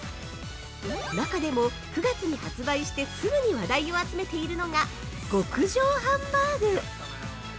中でも、９月に発売してすぐに話題を集めているのが「極上ハンバーグ」。